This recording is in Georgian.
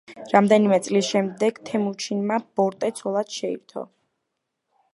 რამდენიმე წლის შემდეგ თემუჩინმა ბორტე ცოლად შეირთო.